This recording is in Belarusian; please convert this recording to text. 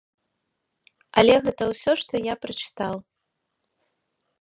Але гэта ўсё, што я прачытаў.